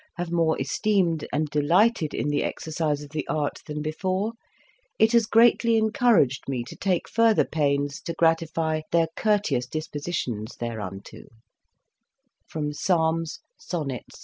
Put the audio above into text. have more esteemed and delighted in the ex ercise of the art than before, it has greatly encouraged me to take further pains to gratify their courteous dispositions thereunto."